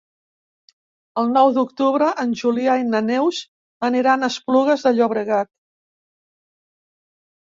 El nou d'octubre en Julià i na Neus aniran a Esplugues de Llobregat.